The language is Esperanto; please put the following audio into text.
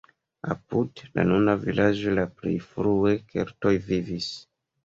Apud la nuna vilaĝo la plej frue keltoj vivis.